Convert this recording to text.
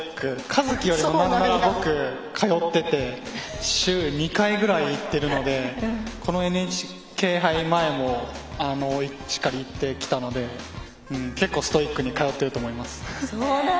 一希よりサウナに通ってて週２回くらい通っててこのＮＨＫ杯前もしっかり行ってきたので結構、ストイックに通っていると思います。